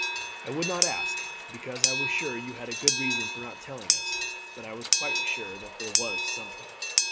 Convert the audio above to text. I would not ask, because I was sure you had a good reason for not telling us; but I was quite sure that there was something."